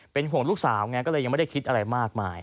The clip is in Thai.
เป็นห่วงลูกสาวไงก็เลยยังไม่ได้คิดอะไรมากมาย